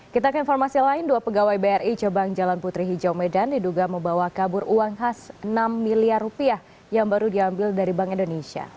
kita ke informasi lain dua pegawai bri cabang jalan putri hijau medan diduga membawa kabur uang khas enam miliar rupiah yang baru diambil dari bank indonesia